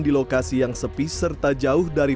di lokasi yang sepi serta jauh dari